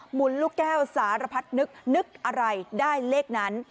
หุนลูกแก้วสารพัดนึกนึกอะไรได้เลขนั้น